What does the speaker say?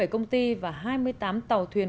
hai mươi bảy công ty và hai mươi tám tàu thuyền